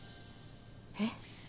えっ？